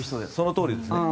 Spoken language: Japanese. そのとおりです。